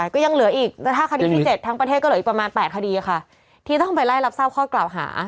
ก็ยังเหลืออีกแต่ถ้าคดีที่๗ทั้งประเทศก็เหลืออีกประมาณ๘คดีค่ะที่ต้องไปไล่รับทราบข้อกล่าวหา